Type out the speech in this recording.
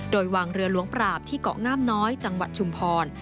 โดยวางเรือหลวงปราบที่เกาะงามน้อยจังหวัดชุมพร